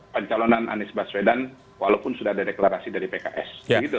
pencalonan anies baswedan walaupun sudah ada deklarasi dari pks